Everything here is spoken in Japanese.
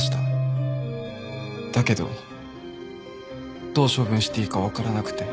だけどどう処分していいかわからなくて。